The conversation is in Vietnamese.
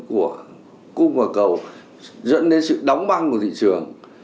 của cung và cầu dẫn đến sự đóng băng của thị trường